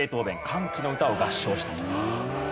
『歓喜の歌』を合唱したと。